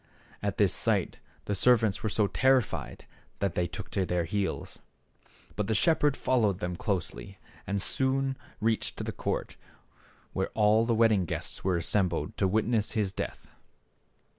At this sight the servants were so terrified that they took to their heels. But the shepherd followed them closely and soon reached the court where all the wedding guests were assembled to witness his death.